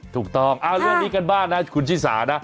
ถูกต้องเอาเรื่องนี้กันบ้างนะคุณชิสานะ